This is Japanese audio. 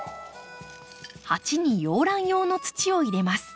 鉢に洋ラン用の土を入れます。